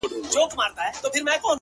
په دې وطن کي به نو څنگه زړه سوری نه کوي!